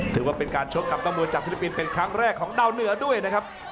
ถือว่าเป็นการชกกับนักมวยจากฟิลิปปินส์เป็นครั้งแรกของดาวเหนือด้วยนะครับ